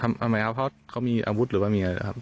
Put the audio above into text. ทำไมเอาเพราะเขามีอาวุธหรือว่ามีอะไรครับ